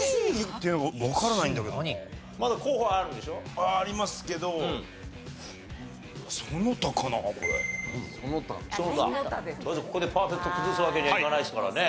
とりあえずここでパーフェクト崩すわけにはいかないですからね。